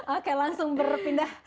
oke langsung berpindah